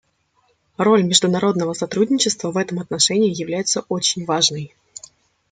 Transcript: Роль международного сотрудничества в этом отношении является очень важной.